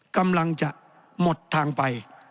กำลังจะหมดทางไป